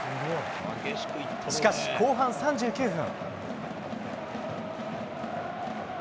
しかし、後半３９分。